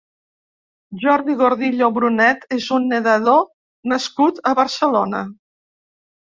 Jordi Gordillo Brunet és un nedador nascut a Barcelona.